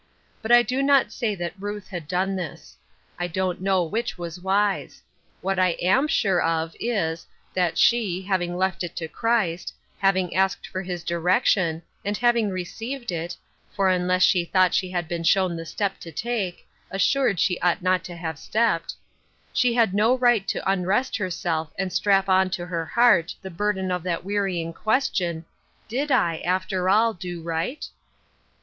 But I do not say that Ruth had done this. I don't know which was wise. What I am sure of is, that she, having left it to Christ ; having asked for his direction, and having received it (for unless she thought she had been shown the step to take, assured she ought not to have stepped,) she had no right to unrest herself and strap on to her heart the burden of that wearying ques tion, " Did I, after all, do right